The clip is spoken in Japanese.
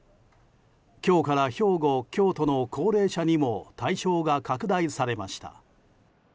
今日から兵庫、京都の高齢者にも対象が拡大されました。